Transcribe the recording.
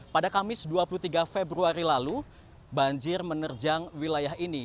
pada kamis dua puluh tiga februari lalu banjir menerjang wilayah ini